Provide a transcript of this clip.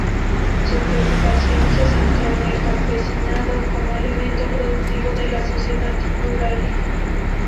Su preocupación se centró en el campesinado, como elemento productivo de la sociedad rural.